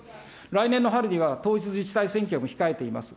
来年の春には統一自治体選挙も控えています。